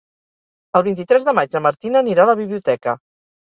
El vint-i-tres de maig na Martina anirà a la biblioteca.